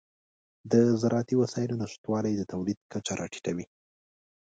د زراعتي وسایلو نشتوالی د تولید کچه راټیټوي.